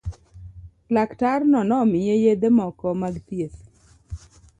Laktarno nomiye yedhe moko mag thieth.